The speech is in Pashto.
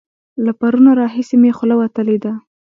له پرونه راهسې مې خوله وتلې ده.